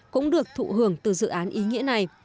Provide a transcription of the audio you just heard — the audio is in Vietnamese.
cũng được thụ hưởng từ dự án ý nghĩa này